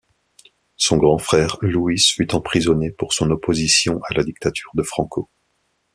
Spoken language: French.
Son grand frère Luis fut emprisonné pour son opposition à la dictature de Franco.